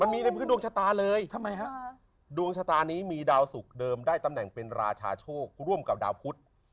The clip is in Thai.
มีในพื้นดวงชะตาเลยทำไมฮะดวงชะตานี้มีดาวสุขเดิมได้ตำแหน่งเป็นราชาโชคร่วมกับดาวพุทธ